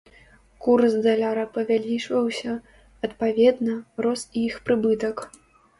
Курс даляра павялічваўся, адпаведна, рос і іх прыбытак.